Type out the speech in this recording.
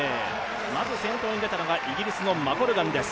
まず先頭に出たのはイギリスのマコルガンです。